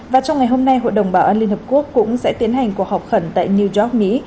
và trong ngày hôm nay hội đồng bảo an liên hợp quốc cũng sẽ tiến hành cuộc họp khẩn tại new york mỹ